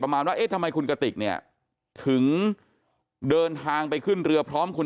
ประมาณว่าเอ๊ะทำไมคุณกติกเนี่ยถึงเดินทางไปขึ้นเรือพร้อมคุณ